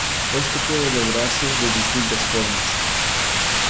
Esto puede lograrse de distintas formas.